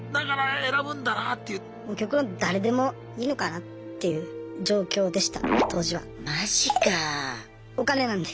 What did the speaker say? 極論誰でもいいのかなっていう状況でした当時は。